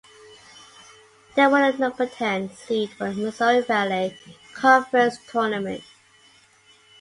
They were the number ten seed for the Missouri Valley Conference Tournament.